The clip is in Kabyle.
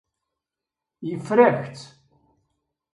Yeffer-ak-tt.